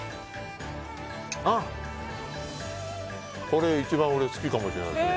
これ一番俺、好きかもしれないです。